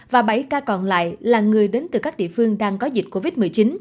và bảy ca còn lại là người đến từ các địa phương đang có dịch covid một mươi chín